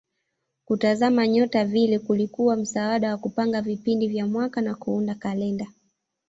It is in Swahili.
Kutazama nyota vile kulikuwa msaada wa kupanga vipindi vya mwaka na kuunda kalenda.